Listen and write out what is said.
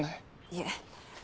いえ。